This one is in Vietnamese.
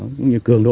cũng như cường độ